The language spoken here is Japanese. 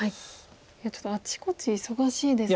いやちょっとあっちこっち忙しいですね。